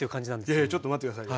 いやいやちょっと待って下さいよ。